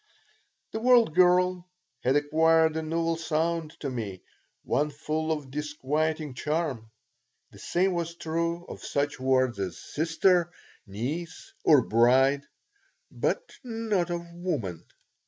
The word "girl" had acquired a novel sound for me, one full of disquieting charm. The same was true of such words as "sister," "niece," or "bride," but not of "woman."